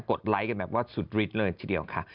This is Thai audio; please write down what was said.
กดไลค์กันแบบว่าสุดลิดเลยเฉียวค่ะ